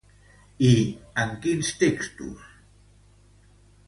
I en quins textos?